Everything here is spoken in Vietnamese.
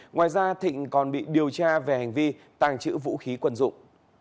ngoài ra thịnh còn bị điều tra về hành vi tàng trữ vũ khí quân dụng